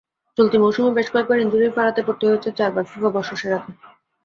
চলতি মৌসুমে বেশ কয়েকবার ইনজুরির ফাঁড়াতে পড়তে হয়েছে চারবার ফিফা বর্ষসেরাকে।